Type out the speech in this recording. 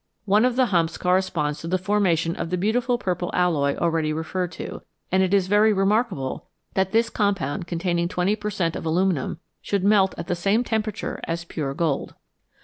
One of the humps corresponds to the formation of the beautiful purple alloy already referred to, and it is very remark able that this compound, containing 20 per cent, of aluminium, should melt at the same temperature as pure gold.